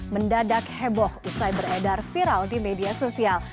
mendadak heboh usai beredar viral di media sosial